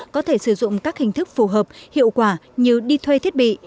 có thể sử dụng các hình thức phù hợp hiệu quả như đi thuê thiết bị